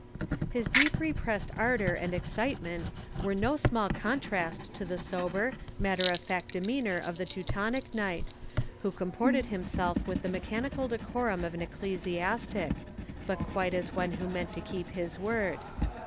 His deep repressed ardour and excitement were no small contrast to the sober, matter of fact demeanour of the Teutonic knight, who comported himself with the mechanical decorum of an ecclesiastic, but quite as one who meant to keep his word.